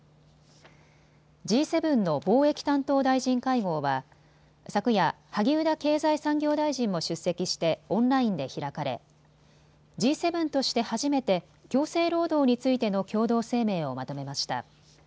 Ｇ７の貿易担当大臣会合は昨夜、萩生田経済産業大臣も出席してオンラインで開かれＧ７として初めて強制労働についての共同声明をまとめました。